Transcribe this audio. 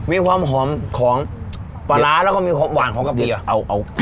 มีความหอมของปลาร้าแล้วก็มีความหวานของกระเทียเอา